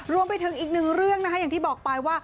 รวมไปถึงอีกหนึ่งเรื่องนะคะอย่างที่บอกไปว่า